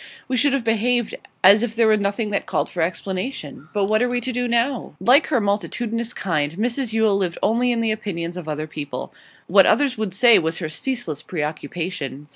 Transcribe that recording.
We should have behaved as if there were nothing that called for explanation. But what are we to do now?' Like her multitudinous kind, Mrs Yule lived only in the opinions of other people. What others would say was her ceaseless preoccupation.